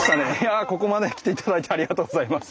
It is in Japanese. あここまで来て頂いてありがとうございます。